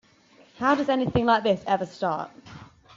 How does anything like this ever start?